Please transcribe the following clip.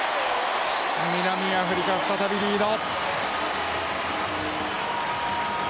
南アフリカ再びリード。